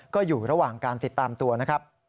ก็อยู่ระหว่างการติดตามตัวนะครับ